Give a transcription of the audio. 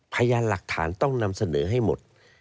พยานหลักฐานต้องนำเสนอให้หมด